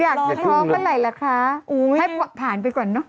อยากจะท้องเมื่อไหร่ล่ะคะให้ผ่านไปก่อนเนอะ